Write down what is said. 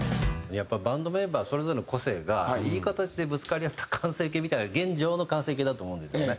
やっぱバンドメンバーそれぞれの個性がいい形でぶつかり合った完成形みたい現状の完成形だと思うんですよね。